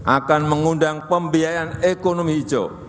akan mengundang pembiayaan ekonomi hijau